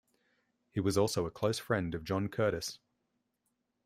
He was also a close friend of John Curtis.